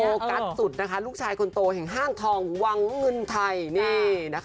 โปรกัดสุดลูกชายคนโตแห่งห้างทองวังเงินไทย